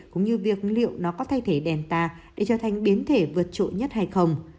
cũng như việc liệu nó có thay thế delta để trở thành biến thể vượt trội nhất hay không